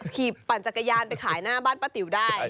ปั่นจักรยานไปขายหน้าบ้านป้าติ๋วได้